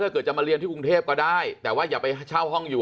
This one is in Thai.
เกิดจะมาเรียนที่กรุงเทพก็ได้แต่ว่าอย่าไปเช่าห้องอยู่